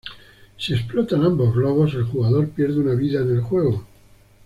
Si explotan ambos globos, el jugador pierde una vida en el juego.